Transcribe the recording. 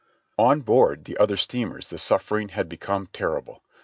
On board the other steamers the suffering had become terrible.